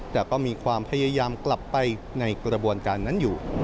แต่ก็มีความพยายามกลับไปในกระบวนการนั้นอยู่